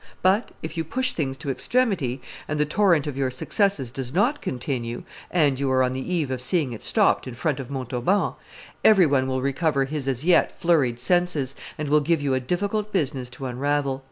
But, if you push things to extremity, and the torrent of your successes does not continue, and you are on the eve of seeing it stopped in front of Montauban, every one will recover his as yet flurried senses, and will give you a difficult business to unravel.